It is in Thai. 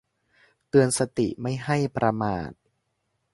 เตือนสติไม่ให้ประมาท